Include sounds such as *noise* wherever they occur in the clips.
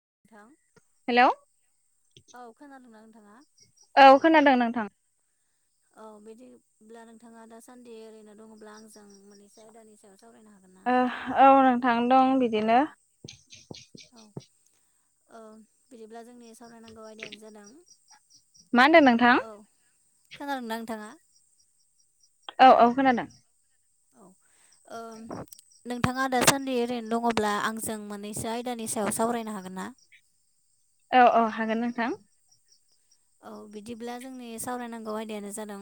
नोंथां हेलौ औ खोनादोंना नोंथां? औ खोनादों नोंथां। औ बिदिब्ला नोंथाङा दा सान्दि ओरैनो दङब्ला आंजों मोननैसो आयदानि सायाव सावरायनो हागोन- ना ओ औ थांनो दं बिदिनो ओ बिदिब्ला जोंनि सावरायनांगौ आयदायानो जादों मा होनदों नोंथां? औ खोनादोंना नोंथाङा? औ-औ खोनादों औ ओम नोंथाङा दासान्दि ओरैनो दङब्ला आंजों मोननैसो आयदानि सायाव सावरायनो हागोन ना? *inaudible* औ औ हागोन नोंथां। औ बिदिब्ला जोंनि सावरायनांगौ आयदायानो जादों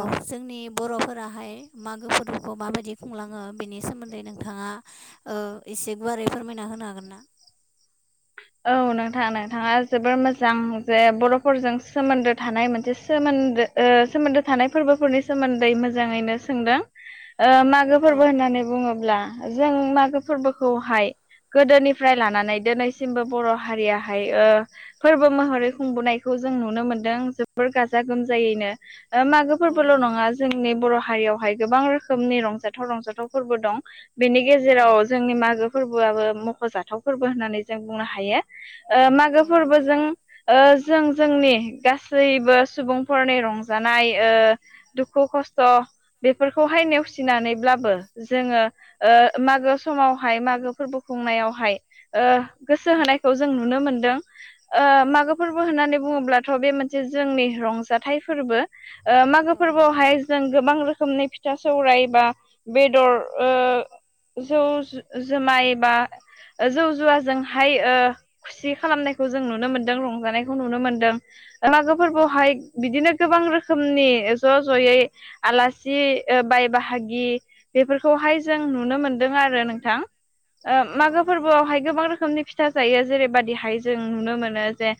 औ जोंनि बर'फोराहाय मागो फोरबोखौ माबायदि खुंलाङो बेनि सोमोन्दै नोंथाङा ओ एसे गुवारै फोरमायना होनो हागोन ना? औ नोंथाङा नोंथाङा जोबोर मोजां जे बर'फोरजों सोमोन्दो थानाय मोनसे सोमोन्दो ओ सोमोन्दो थानाय फोरबोफोरनि सोमोन्दै मोजाङैनो सोंदों ओ मागो औ फोरबो होननानै बुङोब्ला जों मागो फोरबोखौहाय गोदोनिफ्राय लानानै दोनै सिमबो बर' हारियाहाय ओ फोरबो महरै खुंबोनायखौ जों नुनो मोनदों जोबोर गाजा - गोमजायैनो ओ मागो औ फोरबोल' नंगौ नङा जोंनि बर' हारियावहाय गोबां रोखोमनि रंजाथाव रंजाथाव फोरबो दं बेनि औ गेजेराव जोंनि मागो फोरबो बोआबो मख'जाथाव फोरबो होननानै जों बुंनो हायो। ओ मागो नंगौ फोरबोजों जों जोंनि गासैबो- सुबुंफोरनि रंजानाय ओ दुखु खस्थ बेफोरखौहाय नेवसिनानैब्लाबो जोङो ओ मागो समावहाय मागो फोरबोखौ खुंनायावहाय गोसो औ होनायखौ जों नुनो मोनदों औ मागो फोरबो होनानै बुङोब्लाथ' बे मोनसे जोंनि रंजाथाइ फोरबो मागो नंगौ फोरबोआवहाय जों गोबां रोखोम रोखोमै फिथा सौराय बा बेदर जौ जुमाय बा जौ जुवाजों हाय खुसि खालामनायखौ जों नुनो मोनदों रंजानायखौ नुनो मोनदों। मागो औ नंगौ फोरबोहाय बिदिनो गोबां रोखोम रोखोमनि ज' ज'यै आलासि बाय बाहागि बेफोरखौहाय जों नुनो मोनदों आरो नोंथां औ मागो नंगौ फोरबोआवहाय गोबां रोखोमनि फिथा जायो जेरैबायदिहाय जों नुनो मोनो जे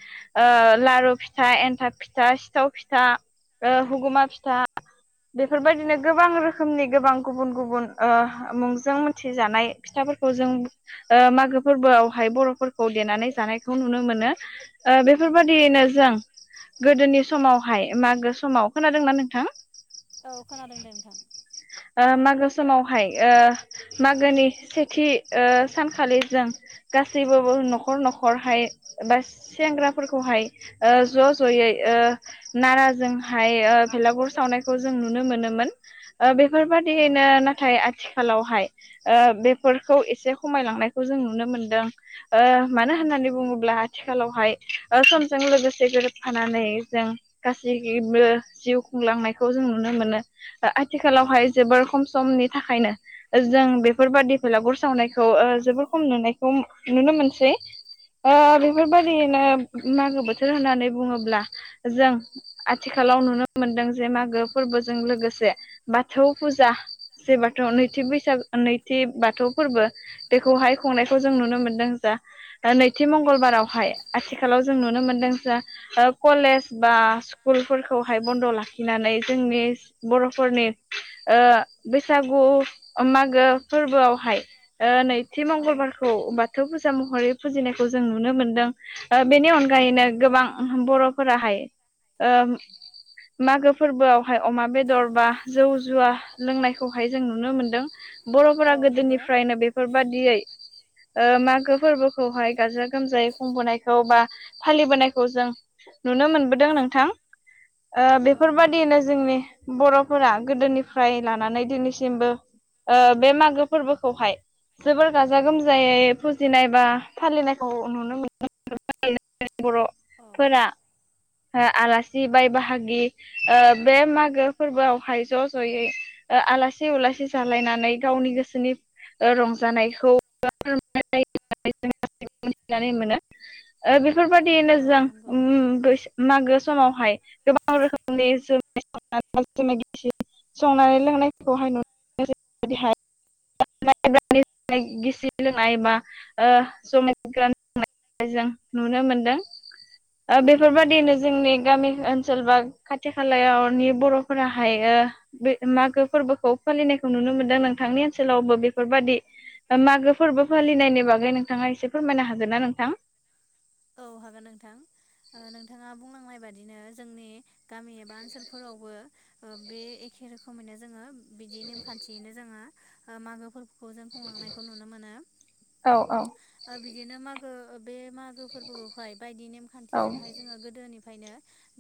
लारु फिथा एन्थाब फिथा। सिथाव फिथा हगुमा फिथा। बेफोरबायदिनो गोबां रोखोमनि गोबां गुबुन गुबुन मुंजों मिथिजानाय फिथा। जों मागो फोरबोआवहाय बर'फोरखौ देनानै जानायखौ नुनो मोनो। औ बेफोरबायदियैनो जों गोदोनि समावहाय मागो समाव खोनादोंना नोंथां? औ खोनादों दे नोंथां। मागो समावहाय मागोनि सेथि सानखालि जों गासैबो न'खर न'खरहाय बा सेंग्राफोरखौहाय ज' ज'यै नाराजोंहाय भेलागुर सावनायखौ जों नुनो मोनोमोन। औ बेफोरबायाददियैनो नाथाय आथिखा खालावहाय ओ बेफोरखौ एसे खमायलांनायखौ जों नुनो मोनदों औ मानो होना नानै बुङोब्ला आथिखालावहाय समजों लोगोसे गोरोबफानानै जों गासै बो जिउ खुंलांनायखौ जों नुनो मोनो औ हाय जबार खम समनि थाखायनो जों बेफोरबादि फलागुर सावनायखौ जोबोर खम नुनायखौ नुनो मोनसै ओ बेफोरबायदिनो मागो बोथोर होननानै बुङोब्ला जों आथिखालाव नुनो मोनदों जे मागो फोरबो जों लोगोसे बाथौ फुजा बाथौ नैथि बैसागो नैथि बाथौ फोरबो बेखौहाय खुंनायखौ जों नुनो मोनदों जा नैथि मंगलबारावहाय आथिखालाव जों नुनो मोनदों जा कलेज बा स्कुलफोरखौहाय बन्द लाखिनानै जोंनि बरफोरनि ओ बैसागु मागो फोरबोआवहाय नै थि औ मंगलबारखौ बाथौ फुजा महरै फुजिनायखौ जों नुनो मोनदों। बेनि औ अनगायैनो नंगौ गोबां बर फोराहाय ओ मागो फोरबोआवहाय अमा बेदर बा जौ जुवा लोंनायखौहाय जों नुनो मोनदों बरफोरा औ नंगौ गोदोनिफ्रायनो बेफोरबादियै ओ मागो फोरबोखौहाय गाजा गोमजायै खुंबोनायखौ बा फालिबोनायखौ जों नुनो मोनबोदों नोंथां। *inaudible* ओ औ नंगौ बेफोरबादियनो जोंनि बरफोरा गोदोनिफ्राय लानानै दिनैसिमबो ओ बे मागो फोरबोखौहाय जोबोर गाजा गोमजायै फुजिनाय बा फालिनायखौ नुनो मोनो। *inaudible* औ बरफोरा आलासि बाय बाहागि ओ बे मागो फोरबोआव हाय ज जयै आलासि उलासि जालायनानै गावनि गोसोनि रंजानायखौ फोरायो *unintelligible* थिनानै मोन *unintelligible* बेफोरबायदिनो औ जों नंगौ उम बै मागो समावहाय गोबां रोखोमनि *unintelligible* संनानै लोंनायफोरखौहाय नुनो मोनो जैबायदिहाय *unintelligible* गिसि लोंनाय बा ओ जमाय गोरान लोंनाय जों नुनो मोनदों ओ औ नंगौ बेफोरबादिनो जोंनि गामि ओनसोल बा खाथि खालायावनि बरफोरा हायो बे मागो फोरबोखौ फालिनायखौ नुनो मोनदों नोंथांनि ओनसोलावबो बेफोरबादि मागो फोरबो फालिनायनि बागै नोंथाङा एसे फोरमायनो हागोन ना नोंथां? औ हागोन नोंथां नोंथाङा बुंलांनाय बादिनो जोंनि गामि एबा ओनसोलफोरावबो ओ बे एखे रोखोमैनो जोङो बिदि नेमखान्थियैनो जोङो ओ मागो फोर खौ जों खुंलांनायखौ नुनो मोनो औ ओ बिदिनो मागो बे मा फोरबोखौहाय बायदि औ नेमखान्थिजोंहाय जोङो गोदोनिफ्रायनो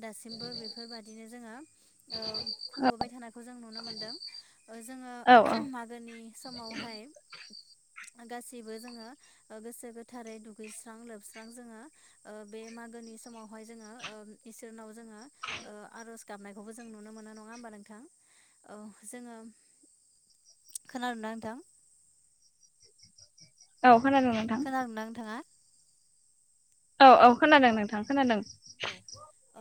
दासिमबो बेफोरबादिनो जोङो ओ खुंबोबाय थानायखौ जों नुनो मोनदों जों जोङो औ औ मागोनि समावहाय गासैबो जोङो ओ गोसो गोथारै दुगैस्रां लोबस्रां जोङो ओ बे मागोनि समावहाय जोङो इसोरनाव जोङो ओ आरज गाबनायखौबो जों नुनो मोनो नङा होमबा नोंथां औ जोङो खोनादोंंना नोंथां औ खोनादों नोंथां खोनादोंना नोंथाङा औ-औ खोनादों नोंथां खोनादों। औ ओ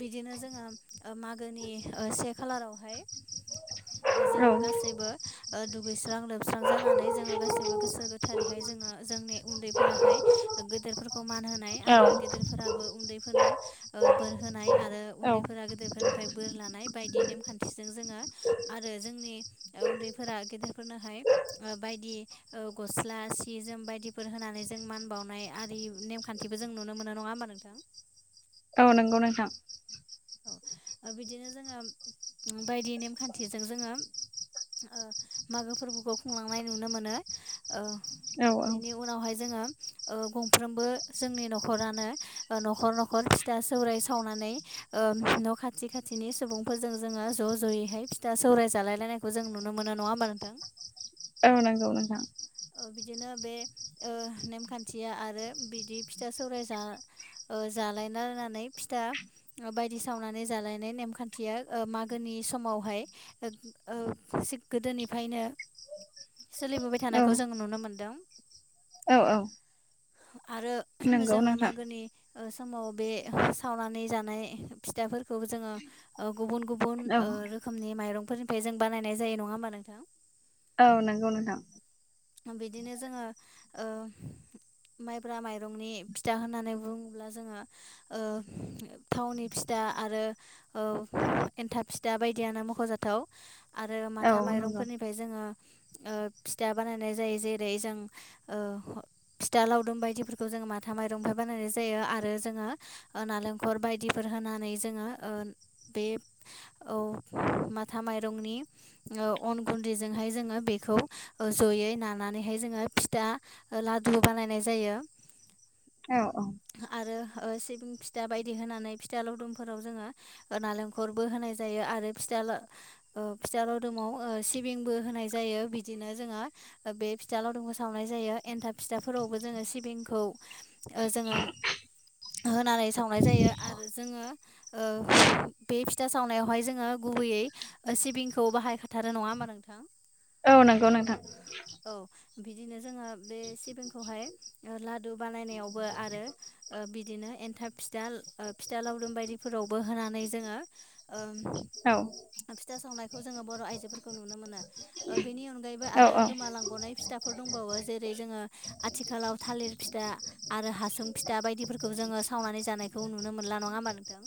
बिदिनो जोङो ओ मागोनि से खालारावहाय ओ औ जोङो गासैबो ओ दुगैस्रां लोब स्रां जानानै जोङो गाैबो गोसो गोथारैहाय जोङो जोंनि उन्दैफोराहाय ओ गेदेरफोरखौ मान नोन होनाय औ आरो गेदेरफोराबो उन्दै नो ओ बोर होनाय आरो औ उन्दैफोरा गेदेरफोरनिफ्राय बोर लानाय बायदि नेमखान्थिजों जोङो आरो जोंनि ओ उन्दैफोरा गेदेर फोरनोहाय ओ बायदि ओ गस्ला सि जोम बायदिफोर होनानै जों मान बावनाय आरि नेमखान्थिबो जों नुनो मोनो नङा होमबा नोंथां। औ नंगौ नोंथां औ बिदिनो जोङो बायदि नेमखान्थिजों जोङो ओ मागो फोरबोखौ खुंलांनाय नुनो मोनो। औ औ बेनि उनावहाय जोङो ओ गंफ्रोमबो जोंनि न'खरानो न'खर न'खर फिथा सौराय सावनानै ओ न' खाथि खाथिनि सुबुंफोरजों जोङो ज' ज'यैहाय फिथा सौराय जालायलायनायखौ जों नुनो मोनो। नङा होमबा नोंथां औ नंगौ नोंथां। ओ बिदिनो बे ओ नेमखान्थिया आरो बिदि फिथा सौराय जा ओ जालायनानानै फिथा बायदि सावनानै जालायनाय नेमखान्थिया ओ मागोनि समाव मावहाय ओ ओ जि गोदोनिफ्रायनो सोलिबोबाय थानाय औ खौ जों नुनो मोनदों। औ औ आरो नंगौ जोङो नोंथां मागोनि ओ समाव बे सावनानै जानाय फिथाफोरखौ जोङो ओ गुबुन गुबुन औ ओ रोखोमनि माइरंफोरनिफ्राय जों बानायनाय जायो नङा होमबा नोंथां। औ नंगौ नोंथां बिदिनो जोङो ओ माइब्रा माइरंनि फिथा होननानै बुङोब्ला जोङो ओ थावनि फि था आरो ओ एन्थाब फिथा बायदियानो मख'जाथाव आरो माथा औ नंगौ माइरंफोरनिफ्राय जोङो ओ फिथा बानायनाय जायो जेरै जों ओ फिथा लावदुम बायदिफोरखौ जों माथा माइरंनिफ्रायाय बानायनाय जायो। आरो जोङो ओ नालेंखलर बायदिफोर होनानै जोङो ओ बे औ माथा माइरंनि ओ अन गुन्दैजोंहाय जोङो बेखौ जयै नानानैहाय जोङो फिथा ओ लादु बानायनाय जायो। औ औ आरो ओ सिबिं फिथा बायदि होनानै फिथा लावदुमफोराव जोङो नालेंखलरबो होनाय जायो आरो फि ला ओ फिथा लावदुमाव ओ सिबिंबो होनाय जायो बिदिनो जोङो बे फिथा लावदुमखो सावनाय जायो। एन्थाब फिथाफोरावबो जोङो सिबिंखौ ओ जोङो होनानै सावनाय जायो आरो जोङो ओ बे फिथा सावनायावहाय जोङो गुबैयै सिबिंखौ बाहायखाथारो नङा होमबा नोंथां। औ नंगौ नोंथां। औ बिदिनो जोङो बे सिबिंखौहाय ओ लादु बानायनायावबो आरो बिदिनो एन्थाब फिथा ओ फिथा लावदुम बायदिफोरावबो होनानै जोङो औ ओ फिथा सावनायखौ जोङो बर' आइजोफोरखौ नुनो मोनो ओ बेनि अनगायै बो औ आरो गोमालांबनाय फिथा दंबावो जेरै जोङो आथिखालाव थालिर फिथा आरो हासुं फिथा बायदिफोरखौ जोङो सावनानै जानायखौ नुनो मोनला नङा होमबा नोंथां।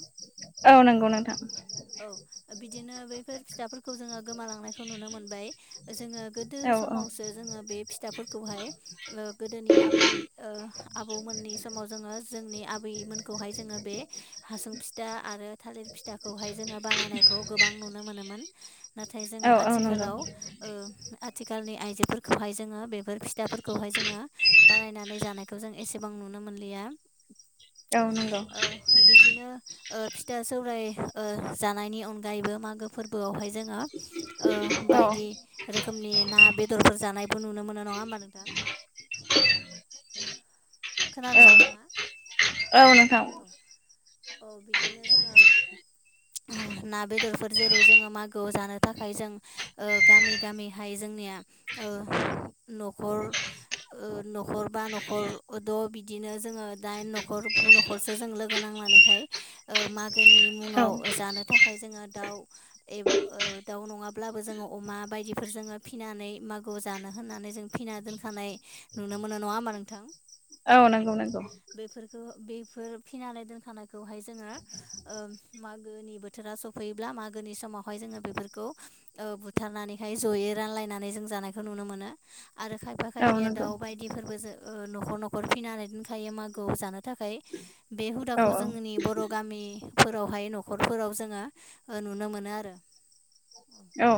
औ नंगौ नोंथां। औ बिदिनो बैफोर फिथाफोरखौ जोङो गोमालांनायखौ नुनो मोनबाय जोङो गोदो औ समावसो जोङो बे फिथाफोरखौहाय ओ गोदोनि आबै ओ आबौमोननि समाव जोङो जोंनि आबै मोनखौहाय जोङो बे हासुं फिथा आरो थालिर फिथाखौहाय जोङो बानायनायखौ गोबां नुनो मोनोमोन। नाथाय औ जोङो औ नंगौ आथिखालाव ओ आथिखालनि आइजोफोरखौहाय जोङो बेफोर फिथाफोरखौहाय जोङो बानायनानै जानायखौ जों एसेबां नुनो मोनलिया। औ। नंगौ ओ बिदिनो ओ फिथा सौराय ओ जानायनि अनगायैबो मागो फोर बोआवहाय जोङो ओ औ बायदि रो खोमनि ना बेदरफोर जानायबो नुनो मोनो नङा होमबा नोंथां। खोनादों औ ना नोंथाङा? औ नोंथां। औ औ बिदिनो जोङो ओ ना बेदरफोर जेरै जोङो मागोआव जानो थाखाय जों ओ गामि गामिहाय जोंनि या ओ न'खर ओ न'खरबा न'खरद' बिदि नो जोङो दाइन न'खर गु न' खरसो जों लोगो नांनानैहाय ओ मागोनि औ मुङाव जानो थाखाय जोङो दाउ एब ओ दाउ नङाब्लाबो जोङो अमा बायदिफोर जोङो फिनानै मागोआव जानो होननानै जों फि ना दोनखानाय नुनो मोनो। नङा होमबा नोंथां? औ नंगौ नंगौ। ओ बे फोर फिनानै दोनखानायखौहाय जोङो ओ मागोनि बोथोरा सफैयोब्ला मागोनि स मावहाय जोङो बेफोरखौ ओ बुथारनानैहाय ज'यै रानलायनानै जों जानायखौ नुनो मोनो। आरो खायफा औ खायफाया नंगौ दाउ बायदिफोरबो जो ओ न'खर न'खर फिनानै दोनखायो मागोआव जानो थाखाय। बे औ हुदाखौ जोंनि बर' गामि फोरावहाय न'खरफोराव जोङो ओ नुनो मोनो आरो औ।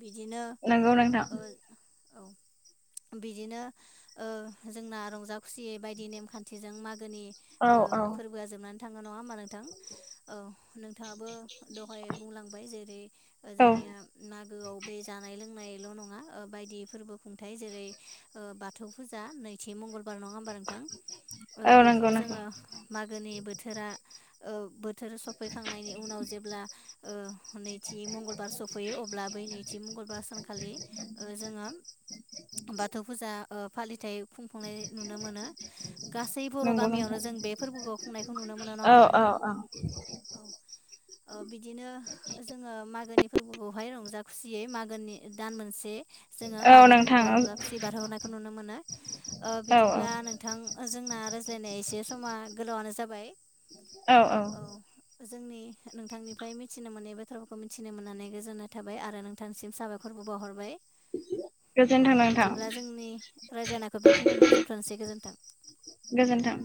बिदिनो औ नंगौ नोंथां ओ औ बिदिनो ओ जोंना रंजा खुसियै बायदि नेमखान्थिजों मा गोनि औ ओ औ फोरबोआ जोबनानै थाङो नङा होमबा नोंथां। औ नोंथाङाबो दहाय बुंलांबाय जेरै ओ औ जोंनिया मागोआव बे जानाय लोंनायल' नङा ओ बायदि फोरबो खुंथाय जेरै ओ बाथौ फुजा आ नैथि मंगलबार नङा होनबा नोंथां ओ औ बेखौ नंगौ नंगौ। जोङो मागोनि बोथोरा ओ बोथोर सफैखांनायनि उनाव जेब्ला ओ नै थि मंगलबार सफैयो अब्ला बै नैथि मंगलबार सानखालि ओ जोङो बाथौ फुजा ओ फालिथाय खुंफुंनाय नुनो मोनो। गासै बर' नंगौ नोंथां गामियावनो जो बे फोरबोखौ खुंनाय औ औ औ। औ ओ बिदिनो जोङो मागोनि फोरबोखौहाय रंजा खुसियै मागोनि दान मोनसे जोङो औ मागो नोंथां फोरबोखौ रंजा खुसियै बारहो हरनाय खौ नुनो मोनो। ओ औ बिदिब्ला नोंथां जोंना रायज्लायनाया एसे समा गोलावानो जाबाय। औ औ। जोंनि नोंथांनिफ्राय मिथिनो मोनै बाथ्राफोरखौ मिथिनो मोननानै गोजोननाय थाबाय आरो नोंथांसिम साबायखरबो बावहरबाय‌। औ गोजोनथों नोंथां बिदिब्ला जोंनि रायज्लायनायखौ बेखिनियावनो फोजोबथ'नोसै गोजोन्थों। गोजोन्थों।